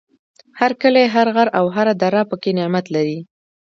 هر کلی، هر غر او هر دره پکې نعمت لري.